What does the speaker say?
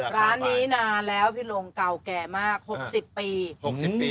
ร้านนี้นานแล้วพี่ลงเก่าแก่มาก๖๐ปี๖๐ปี